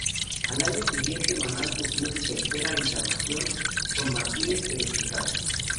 Al año siguiente Manal sufrió su tercera encarnación, con Martínez pero sin Gabis.